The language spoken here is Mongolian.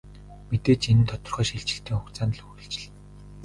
Мэдээж энэ нь тодорхой шилжилтийн хугацаанд л үргэлжилнэ.